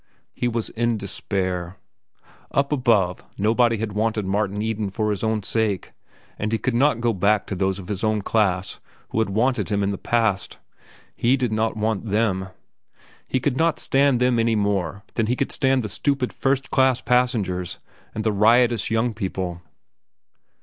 He was in despair. Up above nobody had wanted Martin Eden for his own sake, and he could not go back to those of his own class who had wanted him in the past. He did not want them. He could not stand them any more than he could stand the stupid first cabin passengers and the riotous young people.